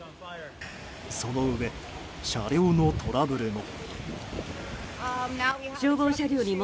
そのうえ、車両のトラブルも。